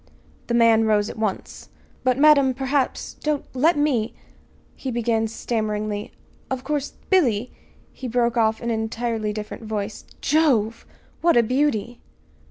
The man rose at once. "But, madam, perhaps don't let me " I he began stammeringly. "Of course Billy!" he broke off in an entirely different voice. "Jove! What a beauty!"